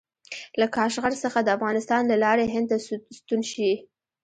له کاشغر څخه د افغانستان له لارې هند ته ستون شي.